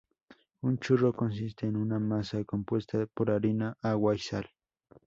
Un churro consiste en una masa compuesta por harina, agua, y sal.